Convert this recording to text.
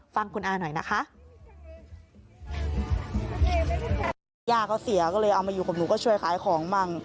ฟังคุณอาหน่อยนะคะ